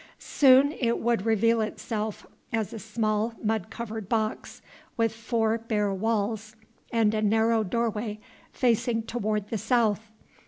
Soon it would reveal itself as a small mud covered box, with four bare walls and a narrow doorway facing toward the south.